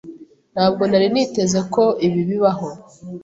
Ntabwo nari niteze ko ibi bibaho.